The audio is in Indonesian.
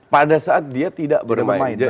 pada saat dia tidak bermain